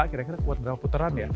kira kira kuat berapa putaran ya